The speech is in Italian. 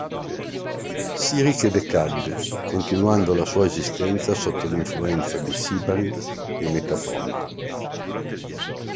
Siris che decadde, continuando la sua esistenza sotto l'influenza di Sibari e Metaponto.